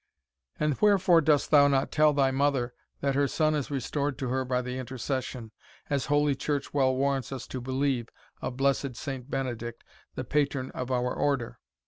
And wherefore dost thou not tell thy mother that her son is restored to her by the intercession, as Holy Church well warrants us to believe, of Blessed Saint Benedict, the patron of our Order?